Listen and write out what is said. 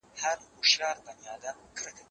زه هره ورځ ښوونځی ځم،